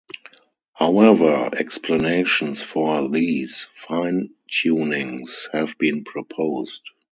However, explanations for these fine-tunings have been proposed.